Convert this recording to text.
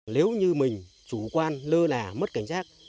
nếu như mình chủ quan lơ là mất cảnh trái phép